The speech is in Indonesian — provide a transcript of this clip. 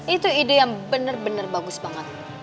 itu ide yang bener bener bagus banget